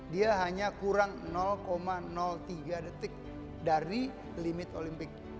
dia hanya kurang tiga detik dari limit olimpik